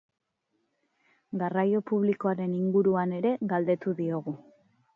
Garraio publikoaren inguruan ere galdetu diogu.